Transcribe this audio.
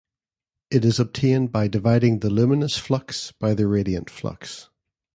It is obtained by dividing the luminous flux by the radiant flux.